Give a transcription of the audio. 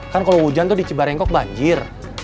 kan kalau hujan tuh di cibarengkok banjir